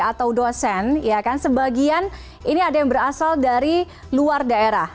atau dosen ya kan sebagian ini ada yang berasal dari luar daerah